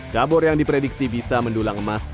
cabur yang diprediksi bisa mendulang emas